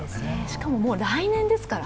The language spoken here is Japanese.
しかも、もう来年ですから。